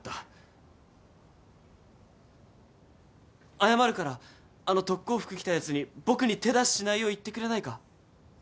謝るからあの特攻服着たやつに僕に手出ししないよう言ってくれないか？